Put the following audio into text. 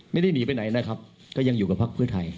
ไม่ได้หนีไปไหนนะครับก็ยังอยู่กับพักเพื่อไทย